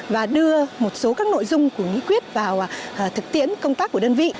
và đưa một số các nội dung của nghị quyết vào thực tiễn công tác của đơn vị